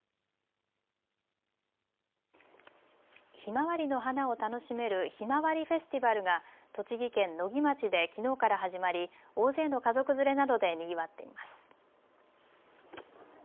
ひまわりの花を楽しめるひまわりフェスティバルが栃木県野木町できのうから始まり大勢の家族連れなどでにぎわっています。